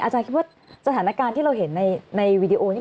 อาจารย์คิดว่าสถานการณ์ที่เราเห็นในวีดีโอนี่